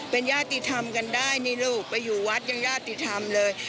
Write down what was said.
เป็นญาติธรรมกันได้นี่ลูกไปอยู่วัดยังญาติธรรมเลย